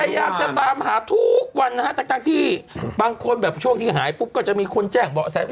พยายามจะตามหาทุกวันนะฮะทั้งที่บางคนแบบช่วงที่หายปุ๊บก็จะมีคนแจ้งเบาะแส